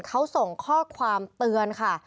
เขาส่งข้อความเตือนค่ะ